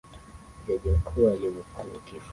Jaji mkuu alimhukumu kifo